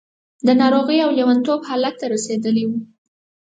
د ناروغۍ او لېونتوب حالت ته رسېدلې وه.